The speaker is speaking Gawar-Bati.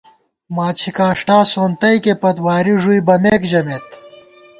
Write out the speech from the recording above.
ماچھی کاݭٹا سونتَئیکےپت واری ݫُوئی بَمېک ژمېت